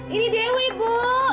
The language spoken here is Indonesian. ini dewi bu